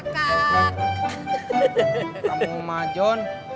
kamu mah john